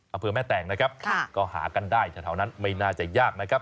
เอาเพื่อแม่แตงนะครับค่ะก็หากันได้แต่เท่านั้นไม่น่าจะยากนะครับ